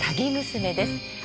「鷺娘」です。